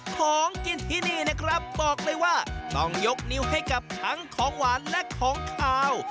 ของกินที่นี่นะครับบอกเลยว่าต้องยกนิ้วให้กับทั้งของหวานและของขาว